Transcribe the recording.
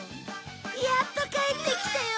やっと返ってきたよ